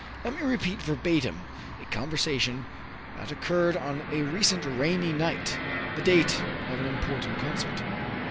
Let me repeat verbatim a conversation that occurred on a recent rainy night, the date of an important concert.